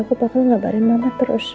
aku bakal ngebarin mama terus